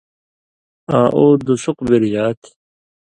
آں اُو (دُسُق) بِرژا تھی۔